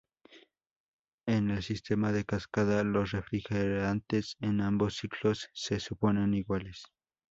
En el sistema de cascada los refrigerantes en ambos ciclos se suponen iguales.